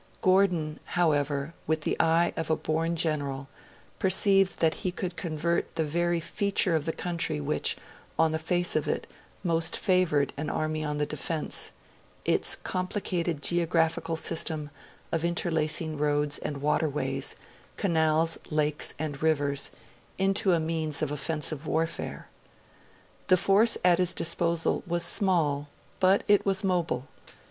Gordon, however, with the eye of a born general, perceived that he could convert the very feature of the country which, on the face of it, most favoured an army on the defence its complicated geographical system of interlacing roads and waterways, canals, lakes and rivers into a means of offensive warfare. The force at his disposal was small, but it was mobile.